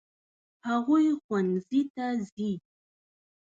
هغوی ښوونځي ته ځي.